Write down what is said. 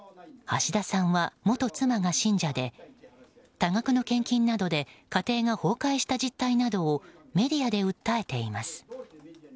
橋田さんは元妻が信者で多額の献金などで家庭が崩壊した実態などをメディアで訴えています。